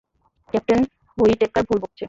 Captain Whitaker ভুল বকছে।